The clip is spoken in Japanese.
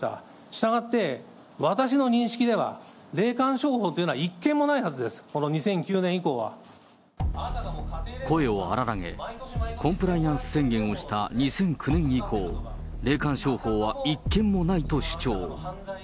したがって、私の認識では、霊感商法というのは、１件もないはずです、この２声を荒らげ、コンプライアンス宣言をした２００９年以降、霊感商法は１件もないと主張。